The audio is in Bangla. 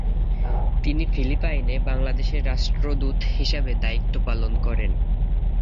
তিনি ফিলিপাইনে বাংলাদেশের রাষ্ট্রদূত হিসেবে দায়িত্ব পালন করেন।